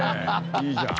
いいじゃん。